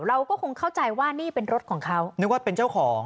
เราก็คงเข้าใจว่านี่เป็นรถของเขานึกว่าเป็นเจ้าของ